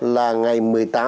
là ngày một mươi tám